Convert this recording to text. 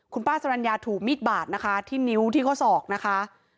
คุณป้าสรรญาถูกมีดบาดนะคะที่นิ้วที่ข้อศอกนะคะ